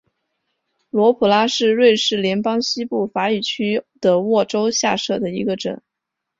罗普拉是瑞士联邦西部法语区的沃州下设的一个镇。